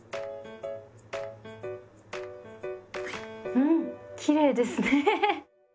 うんきれいですね。